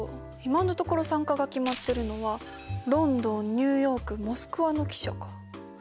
今のところ参加が決まってるのはロンドンニューヨークモスクワの記者か。